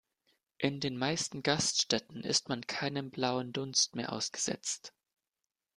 In den meisten Gaststätten ist man keinem blauen Dunst mehr ausgesetzt.